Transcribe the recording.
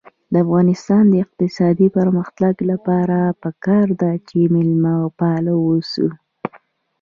د افغانستان د اقتصادي پرمختګ لپاره پکار ده چې مېلمه پال اوسو.